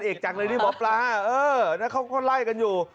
เอกจังเลยนี่หมอปลาเออแล้วเขาก็ไล่กันอยู่